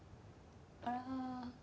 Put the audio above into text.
あら。